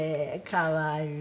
可愛い。